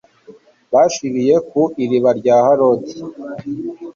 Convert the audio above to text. bashiriye ku iriba rya harodi